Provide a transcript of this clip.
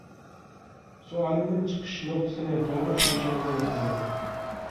سوئالىمنىڭ چىقىش نۇقتىسىنى توغرا چۈشىنىشىڭىزنى ئۈمىد قىلىمەن.